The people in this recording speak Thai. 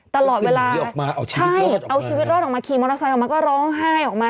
ตลอดเวลาใช่เอาชีวิตรอดออกมาขี่มอเตอร์ไซค์ออกมาก็ร้องไห้ออกมา